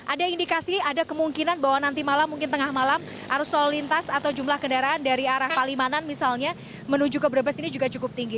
ada indikasi ada kemungkinan bahwa nanti malam mungkin tengah malam arus lalu lintas atau jumlah kendaraan dari arah palimanan misalnya menuju ke brebes ini juga cukup tinggi